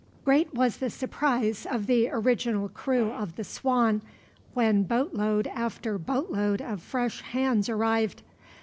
Great was the surprise of the original crew of the Swan, when boat load after boat load of fresh hands arrived.